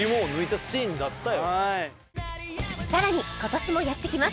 さらに今年もやってきます